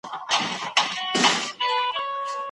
نورو پوهانو بيا ورته سياسي علم ويلي دي.